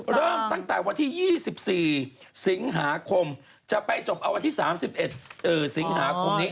เริ่มตั้งแต่วันที่๒๔สิงหาคมจะไปจบเอาวันที่๓๑สิงหาคมนี้